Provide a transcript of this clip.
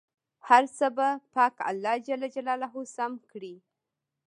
هر څه به پاک الله جل جلاله سم کړي.